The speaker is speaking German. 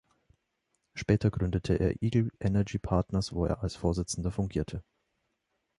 Später gründete er Eagle Energy Partners, wo er als Vorsitzender fungierte.